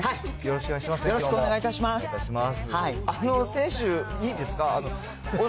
先週、いいですか？